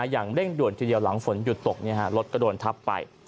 อย่างเร่งด่วนทีเดียวหลังฝนหยุดตกรถก็โดนทับไป